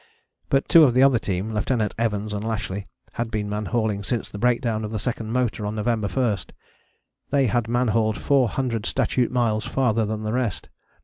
But two of the other team, Lieutenant Evans and Lashly, had been man hauling since the breakdown of the second motor on November 1. They had man hauled four hundred statute miles farther than the rest.